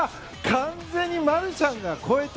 完全にマルシャンが超えた！